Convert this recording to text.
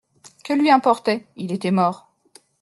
Que lui importait ? Il était mort.